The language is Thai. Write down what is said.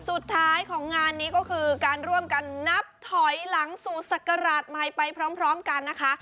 สุดท้ายของงานนี้ก็คือการร่วมกันนับถอยหลังสู่ศักราชใหม่ไปพร้อมกันนะคะ